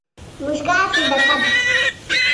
موسکا صدقه ده.